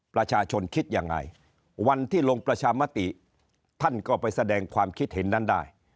ประชาชนคิดยังไงวันที่ลงประชามติท่านก็ไปแสดงความคิดเห็นนั้นได้